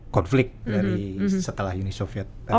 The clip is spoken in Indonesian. konflik setelah uni soviet